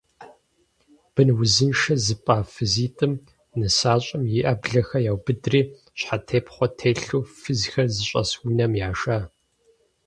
Бын узыншэ зыпӀа фызитӏым нысащӀэм и Ӏэблэхэр яубыдри, щхьэтепхъуэ телъу, фызхэр зыщӀэс унэм яшэ.